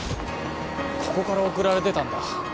ここから送られてたんだ。